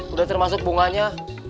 udah termasuk bunganya